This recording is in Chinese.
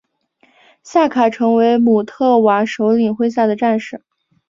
夏卡成为姆特瓦首领麾下的战士。